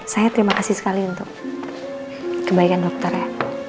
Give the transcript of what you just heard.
saya terima kasih sekali untuk kebaikan dokternya